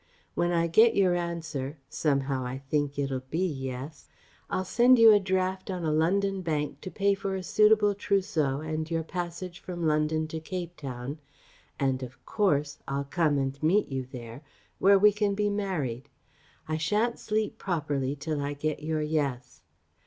When I get your answer somehow I feel it'll be "yes" I'll send you a draft on a London bank to pay for a suitable trousseau and your passage from London to Cape Town, and of course I'll come and meet you there, where we can be married. I shan't sleep properly till I get your "yes."